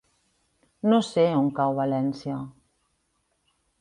No sé on cau València.